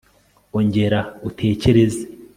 ongera utekereze